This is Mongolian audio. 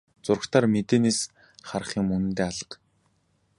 Зурагтаар мэдээнээс харах юм үнэндээ алга.